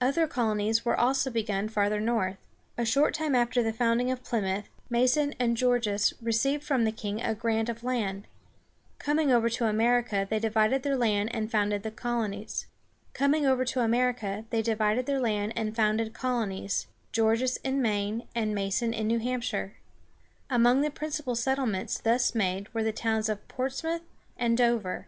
Other colonies were also begun farther north. A short time after the founding of Plymouth, Mason and Gor´ges received from the king a grant of land. Coming over to America, they divided their land and founded colonies, Gorges in Maine and Mason in New Hamp´shire. Among the principal settlements thus made were the towns of Ports´moŭth and Dover.